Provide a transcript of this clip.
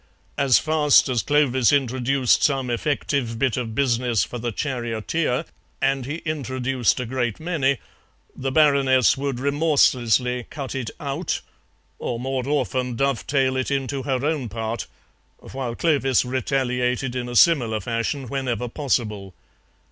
As fast as Clovis introduced some effective bit of business for the charioteer (and he introduced a great many), the Baroness would remorselessly cut it out, or more often dovetail it into her own part, while Clovis retaliated in a similar fashion whenever possible.